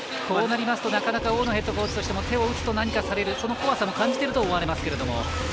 こうなりますとなかなか大野ヘッドコーチも手を打つと何かされるその怖さも感じていると思われますけど。